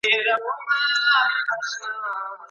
پر زاړه دښمن مو پور د مړو واوړي